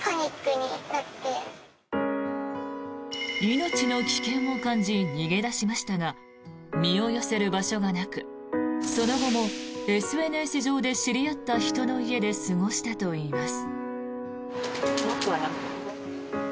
命の危険を感じ逃げ出しましたが身を寄せる場所がなくその後も、ＳＮＳ上で知り合った人の家で過ごしたといいます。